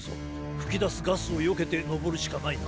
ふきだすガスをよけてのぼるしかないな。